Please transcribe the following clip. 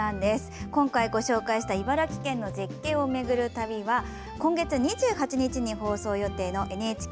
今回ご紹介した茨城県の絶景を巡る旅は今月２８日に放送予定のＮＨＫＢＳ